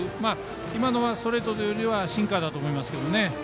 今のはストレートというよりはシンカーだと思いますけどね。